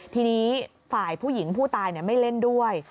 ทีนี้ฝ่ายผู้หญิงผู้ตายไม่เล่นด้วย